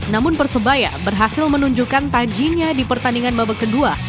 namun persebaya berhasil menunjukkan tajinya di pertandingan babak kedua